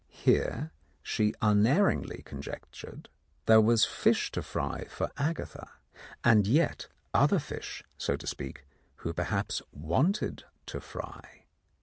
Here, she unerringly conjectured, there was fish to fry for Agatha, and yet other fish, so to speak, who perhaps wanted to fry.